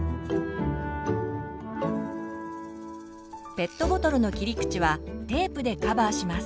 ペットボトルの切り口はテープでカバーします。